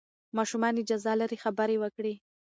ماشومان اجازه لري خبرې وکړي.